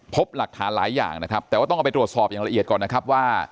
พบหลักฐานหลายอย่างนะครับแต่ว่าต้องเอาไปตรวจสอบอย่างละเอียดก่อนนะครับว่า